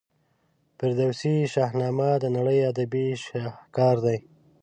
فردوسي شاهنامه د نړۍ ادبي شهکار دی.